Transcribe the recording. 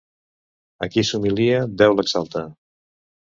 A qui s'humilia, Déu l'exalta.